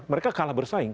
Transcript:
mereka kalah bersaing